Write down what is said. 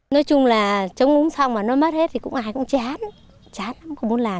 nói chung là trồng úng xong mà nó mất hết thì cũng ai cũng chán chán lắm không muốn làm